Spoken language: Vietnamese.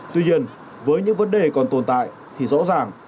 tuy nhiên với những vấn đề còn tồn tại thì rõ ràng